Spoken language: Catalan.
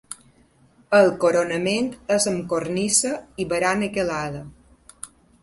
El coronament és amb cornisa i barana calada.